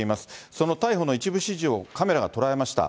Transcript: その逮捕の一部始終をカメラが捉えました。